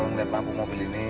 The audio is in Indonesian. yang kamu bisa isi sendiri